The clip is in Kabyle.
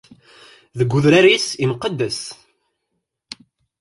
Deg udrar-is imqeddes.